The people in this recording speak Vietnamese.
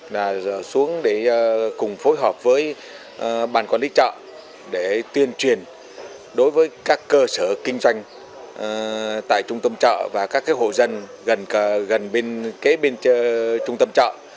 là xuống để cùng phối hợp với ban quản lý chợ để tuyên truyền đối với các cơ sở kinh doanh tại trung tâm chợ và các hộ dân gần bên trung tâm chợ